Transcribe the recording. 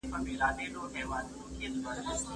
هر انسان خپل ارزښت پخپله ټاکي.